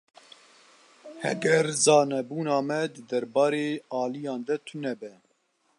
Heger zanebûna me di derbarê aliyan de tune be.